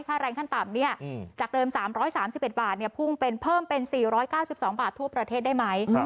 แรงขั้นต่ำจากเดิม๓๓๑บาทพุ่งเป็นเพิ่มเป็น๔๙๒บาททั่วประเทศได้ไหม